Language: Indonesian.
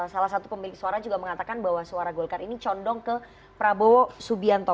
salah satu pemilik suara juga mengatakan bahwa suara golkar ini condong ke prabowo subianto